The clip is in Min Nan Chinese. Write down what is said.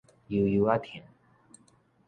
幽幽仔疼